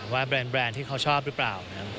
แบรนด์ที่เขาชอบหรือเปล่า